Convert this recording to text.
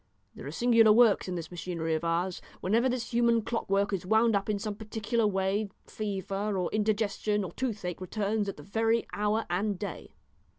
There are singular works in this machinery of ours. Whenever this human clockwork is wound up in some particular way, fever, or indigestion, or toothache returns at the very hour and day."